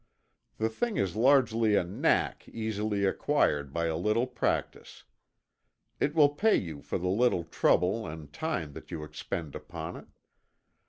The thing is largely a "knack" easily acquired by a little practice. It will pay you for the little trouble and time that you expend upon it.